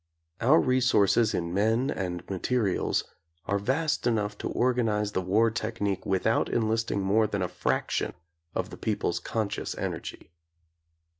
Our resources in men and materials are vast enough to organize the war technique without enlisting more than a fraction of the people's conscious energy.